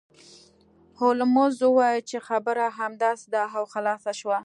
هولمز وویل چې خبره همداسې ده او خلاصه شوه